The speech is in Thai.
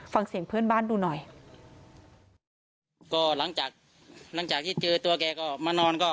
ฟังเสียงเพื่อนบ้านดูหน่อยก็หลังจากหลังจากที่เจอตัวแกก็มานอนก็